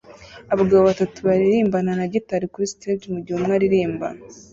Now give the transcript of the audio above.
Abagabo batatu baririmbana na gitari kuri stage mugihe umwe aririmba